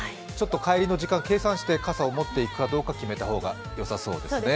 帰りの時間計算して傘を持っていくかどうか決めた方がよさそうですね。